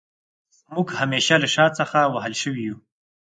موږ همېشه له شا څخه وهل شوي يو